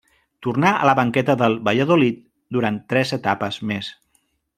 Tornà a la banqueta del Valladolid durant tres etapes més.